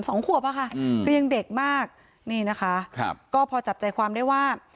สองขวบอ่ะค่ะอืมคือยังเด็กมากนี่นะคะครับก็พอจับใจความได้ว่า